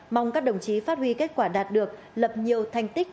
mong các đồng chí phát huy kết quả đạt được lập nhiều thành tích